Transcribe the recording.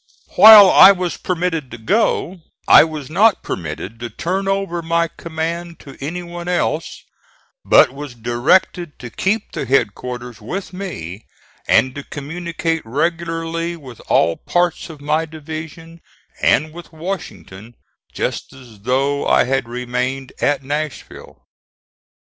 While I was permitted to go, I was not permitted to turn over my command to any one else, but was directed to keep the headquarters with me and to communicate regularly with all parts of my division and with Washington, just as though I had remained at Nashville.